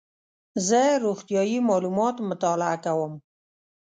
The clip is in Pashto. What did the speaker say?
زه روغتیایي معلومات مطالعه کوم.